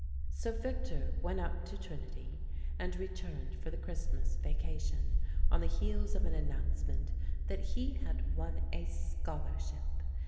So Victor went up to Trinity, and returned for the Christmas vacation on the heels of an announcement that he had won a scholarship.